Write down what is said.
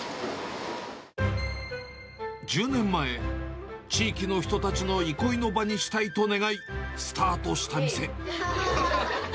１０年前、地域の人たちの憩いの場にしたいと願い、スタートした店。